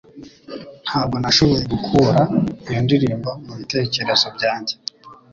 Ntabwo nashoboye gukura iyo ndirimbo mubitekerezo byanjye.